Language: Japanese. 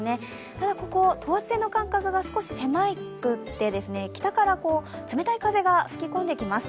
ただ、等圧線の間隔が少し狭くて北から冷たい風が吹き込んできます。